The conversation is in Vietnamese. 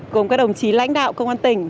cùng các đồng chí lãnh đạo công an tỉnh